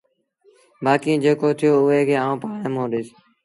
بآڪيٚݩ جيڪو ٿيو اُئي کي آئوݩ پآڻهي مݩهݩ ڏئيٚس